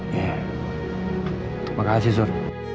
ya terima kasih sur